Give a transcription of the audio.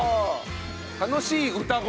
楽しい歌声。